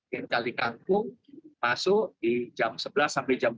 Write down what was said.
kekalikantung masuk di jam sebelas sampai jam dua belas